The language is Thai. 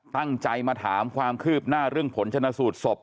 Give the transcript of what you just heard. ตั้งใจมาถามความคืบหน้าเรื่องผลชนะสูตรศพ